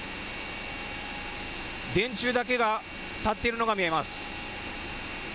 電柱だけが立っているのが見えます。